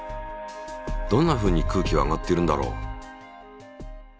どんなふうに空気は上がっているんだろう？